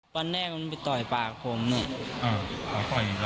วันแรกมันไปต่อยปากผม